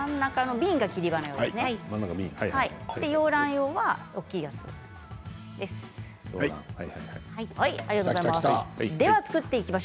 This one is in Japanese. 洋ラン用は大きいやつです。